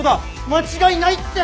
間違いないって！